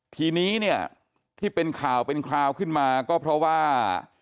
ทีนี้เนี่ยที่เป็นข่าวเป็นคราวขึ้นมาก็เพราะว่า